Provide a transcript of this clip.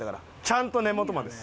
ちゃんと根元まで。